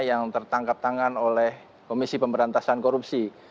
yang tertangkap tangan oleh komisi pemberantasan korupsi